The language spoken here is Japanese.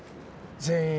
全員。